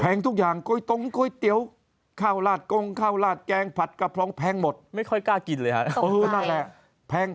แพงทุกอย่างโกยต๋องโค้ยเตี๋ยวข้าวราดงงข้าวราดแกงผัดกระพร้องแพงหมดไม่ค่อยก้ากินเลยตรงไหน